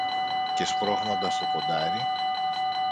και σπρώχνοντας το κοντάρι